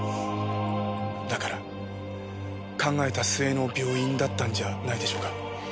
だから考えた末の病院だったんじゃないでしょうか。